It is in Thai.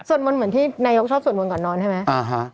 มนต์เหมือนที่นายกชอบสวดมนต์ก่อนนอนใช่ไหม